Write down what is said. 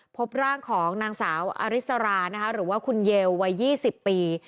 พบร่างของนางสาวอริสรานะคะหรือว่าคุณเยลวัย๒๐ปี